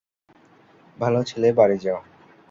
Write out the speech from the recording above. ভালো ছেলে, বাড়ি যাও।